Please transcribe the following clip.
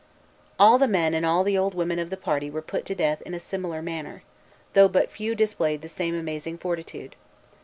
All the men and all the old women of the party were put to death in a similar manner, though but few displayed the same amazing fortitude.